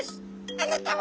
あなたは？